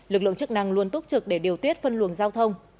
lực lượng chức năng luôn túc trực để điều tiết phân luồng giao thông